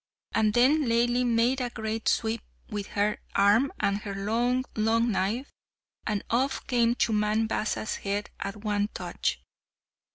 and then Laili made a great sweep with her arm and her long, long knife, and off came Chumman Basa's head at one touch.